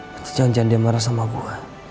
terus jangan jangan dia marah sama gue